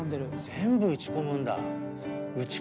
全部うちこむんだ。